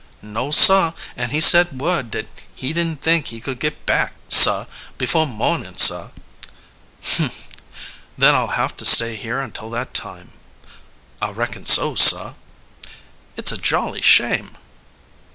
"No, sah, an' he sent word dat he didn't think he could git back, sah, before morning, sah." "Humph! Then I'll have to stay here until that time." "I reckon so, sah." "It's a jolly shame."